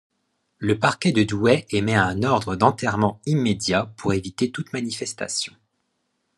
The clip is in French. Le parquet de Douai émet un ordre d'enterrement immédiat pour éviter toute manifestation.